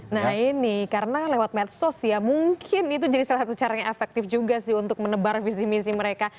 nah ini karena lewat medsos ya mungkin itu jadi salah satu cara yang efektif juga sih untuk menebar visi misi mereka